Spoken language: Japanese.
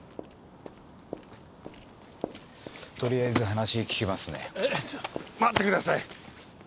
取りあえず話聞きますね。